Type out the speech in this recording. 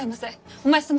お前様